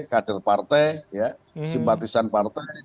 kader partai simpatisan partai